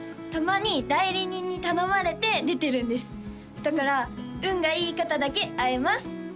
たまに代理人に頼まれて出てるんですだから運がいい方だけ会えます